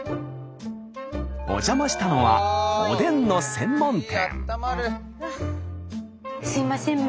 お邪魔したのはおでんの専門店。